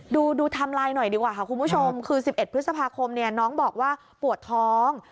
ดูไทม์ไลน์หน่อยดีกว่าค่ะคุณผู้ชมคือ๑๑พฤษภาคมเนี่ยน้องบอกว่าปวดท้อง